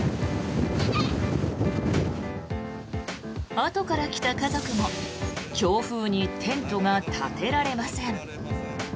あとから来た家族も強風にテントが立てられません。